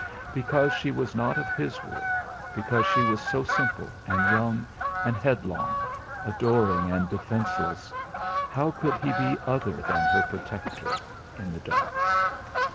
Because she was not of his world, because she was so simple and young and headlong, adoring and defenceless, how could he be other than her protector, in the dark!